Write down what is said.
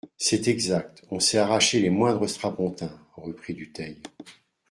C'est exact, on s'est arraché les moindres strapontins, reprit Dutheil.